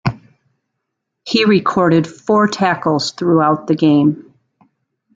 He recorded four tackles throughout the game.